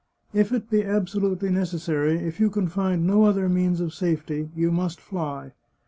If it be absolutely necessary, if you can find no other means of safety, you must fly.